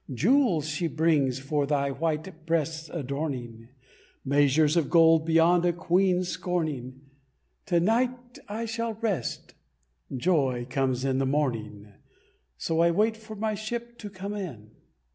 Jewels she brings for thy white breast's adorning, Measures of gold beyond a queen's scorning" To night I shall rest joy comes in the morning, So I wait for my ship to come in.